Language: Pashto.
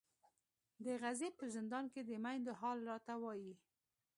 د غزې په زندان کې د میندو حال راته وایي.